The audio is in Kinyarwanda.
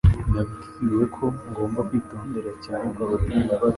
Nabwiwe ko ngomba kwitondera cyane.